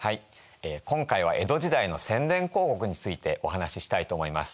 今回は江戸時代の宣伝広告についてお話ししたいと思います。